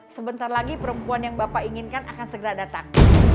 sebentar lagi perempuan yang bapak inginkan akan segera datang